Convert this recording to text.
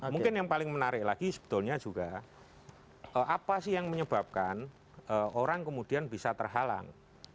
mungkin yang paling menarik lagi sebetulnya juga apa sih yang menyebabkan orang kemudian bisa terhalang